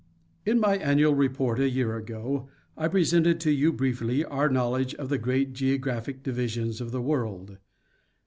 In my annual report a year ago, I presented to you briefly our knowledge of the great geographic divisions of the world.